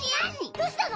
どうしたの？